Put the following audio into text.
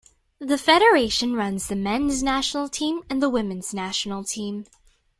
The Federation runs the men's national team and the women's national team.